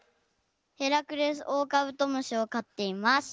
ヘラクレスオオカブトムシをかっています。